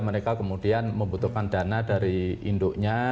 mereka kemudian membutuhkan dana dari induknya